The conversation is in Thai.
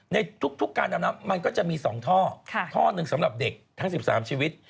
ในทุกการดำน้ำมันก็จะมี๒ท่อท่อหนึ่งสำหรับเด็กทั้ง๑๓ชีวิต